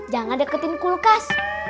jangan deketin kulkas